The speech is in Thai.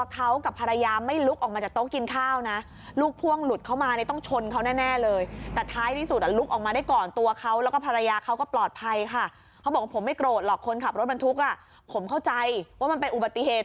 เขาบอกว่าผมไม่โกรธหรอกคนขับรถบรรทุกผมเข้าใจว่ามันเป็นอุบัติเหตุ